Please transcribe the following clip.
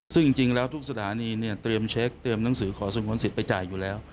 ซึ่งจริงแล้วทุกสถานีเนี่ยเตรียมเช็คเตรียมหนังสือขอสงวนสิทธิ์ไปจ่ายอยู่แล้ว